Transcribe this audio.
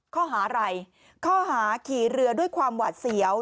ข้อหาอะไรข้อหาขี่เรือด้วยความหวาดเสียว